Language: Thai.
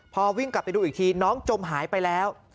พอวิ่งกลับไปดูอีกทีน้องจมหายไปแล้ว